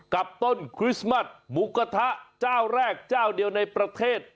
กับต้นคริสต์มัสหมูกระทะเจ้าแรกเจ้าเดียวในประเทศ